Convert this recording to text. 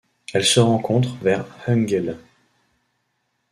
Elle se rencontre vers Eungella.